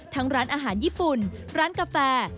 ร้านอาหารญี่ปุ่นร้านกาแฟ